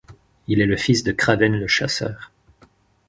Il est le fils de Kraven le chasseur.